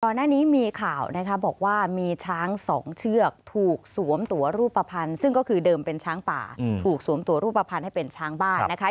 หน้านี้มีข่าวนะคะบอกว่ามีช้างสองเชือกถูกสวมตัวรูปภัณฑ์ซึ่งก็คือเดิมเป็นช้างป่าถูกสวมตัวรูปภัณฑ์ให้เป็นช้างบ้านนะคะ